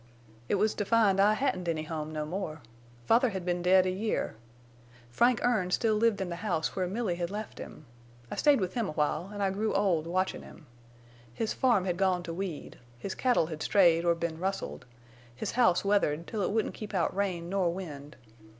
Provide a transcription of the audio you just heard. "It was to find I hadn't any home, no more. Father had been dead a year. Frank Erne still lived in the house where Milly had left him. I stayed with him awhile, an' I grew old watchin' him. His farm had gone to weed, his cattle had strayed or been rustled, his house weathered till it wouldn't keep out rain nor wind.